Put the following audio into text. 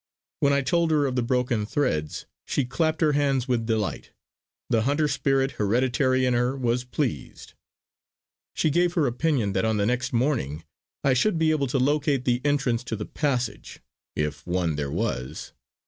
When I told her of the broken threads, she clapped her hands with delight; the hunter spirit hereditary in her was pleased. She gave her opinion that on the next morning I should be able to locate the entrance to the passage, if one there was.